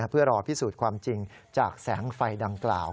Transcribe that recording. เพื่อรอพิสูจน์ความจริงจากแสงไฟดังกล่าว